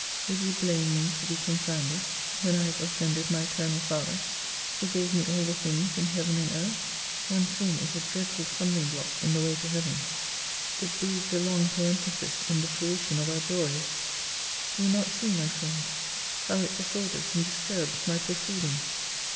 Would you blame me to be confounded, when I have offended my Eternal Father, who gave me all the things in Heaven and Earth ? One sin is a dreadful stumbling block in the way to heaven. It breeds a long paren thesis in the fruition of our joys. Do you not see, my friend, how it disorders and disturbs my proceeding